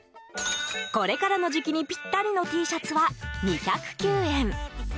これからの時期にぴったりのＴシャツは、２０９円。